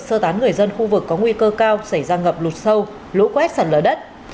sơ tán người dân khu vực có nguy cơ cao xảy ra ngập lụt sâu lũ quét sạt lở đất